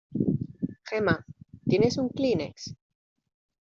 Gemma, ¿tienes un kleenex?